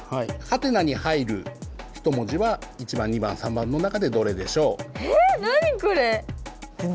「？」に入る１文字は１番２番３番の中でどれでしょう？